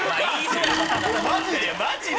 マジで？